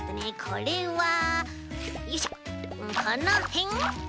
このへん？